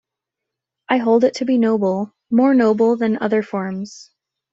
I hold it to be noble - more noble than other forms.